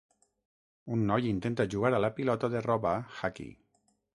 Un noi intenta jugar a la pilota de roba "Hacky".